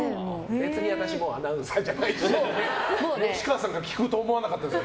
別に私もうアナウンサーじゃないしって吉川さんから聞くと思わなかったです。